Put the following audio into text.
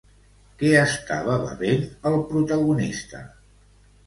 Què estava bevent el protagonista?